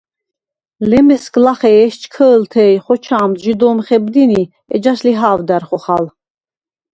ლემესგ ლახე ეშ ჩქჷ̄ლთე ი ხოჩა̄მდ ჟი დო̄მ ხებდინი, ეჯას ლიჰა̄ვდა̈რ ხოხალ.